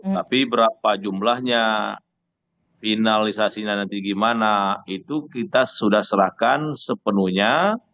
tapi berapa jumlahnya finalisasinya nanti gimana itu kita sudah serahkan sepenuhnya